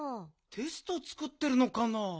テストつくってるのかな？